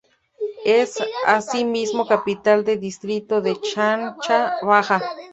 Es asimismo capital del distrito de Chincha Baja.